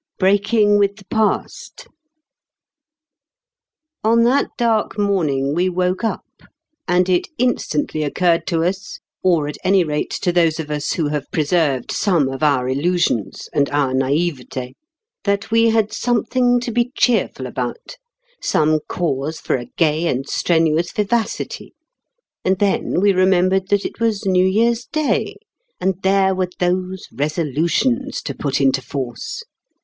III BREAKING WITH THE PAST On that dark morning we woke up, and it instantly occurred to us or at any rate to those of us who have preserved some of our illusions and our naïveté that we had something to be cheerful about, some cause for a gay and strenuous vivacity; and then we remembered that it was New Year's Day, and there were those Resolutions to put into force!